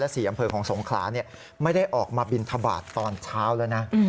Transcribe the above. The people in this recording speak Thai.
๔อำเภอของสงขลาไม่ได้ออกมาบินทบาทตอนเช้าแล้วนะ